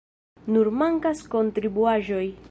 Nur mankas kontribuaĵoj.